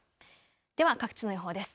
では各地の予報です。